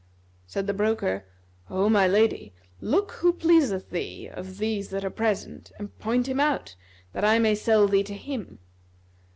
'" Said the broker, "O my lady, look who pleaseth thee of these that are present, and point him out, that I may sell thee to him."